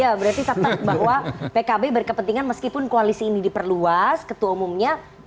ya berarti tetap bahwa pkb berkepentingan meskipun koalisi ini diperluas ketua umumnya tetap mendorong